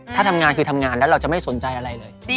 ถ้าทำงานคือทำงานแล้วเราจะไม่สนใจอะไรเลย